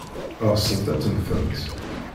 Ɣsent ad temmtemt.